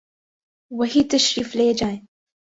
وہی تشریف لے جائیں۔